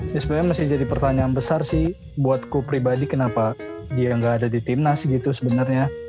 ini sebenarnya masih jadi pertanyaan besar sih buatku pribadi kenapa dia nggak ada di timnas gitu sebenarnya